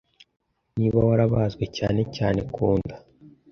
Niba warabazwe, cyane cyane ku nda